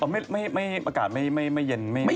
เมื่อก่อนไม่เย็นไม่แย้นตอนนั้นซะมา่